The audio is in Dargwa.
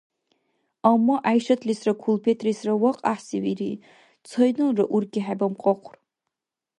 Амма ГӀяйшатлисра кулпетлисра вахъ гӀяхӀси вири. Цайналра уркӀи хӀебамкьахъур.